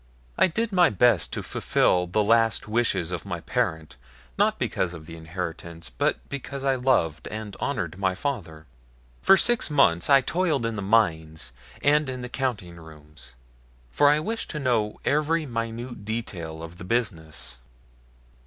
I did my best to fulfil the last wishes of my parent not because of the inheritance, but because I loved and honored my father. For six months I toiled in the mines and in the counting rooms, for I wished to know every minute detail of the business.